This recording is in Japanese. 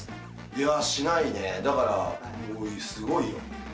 いや、しないね、だからすごいよ。